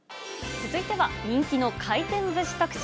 続いては、人気の回転ずし特集。